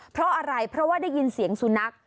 เพราะอะไรเพราะว่าได้ยินเสียงสุนัข